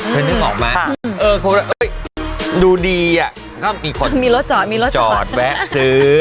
เพิ่งดูดีก็ยังมีคนจอดแวะซื้อ